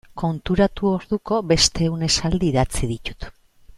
Konturatu orduko beste ehun esaldi idatzi ditut.